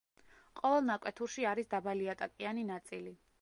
ყოველ ნაკვეთურში არის დაბალიატაკიანი ნაწილი.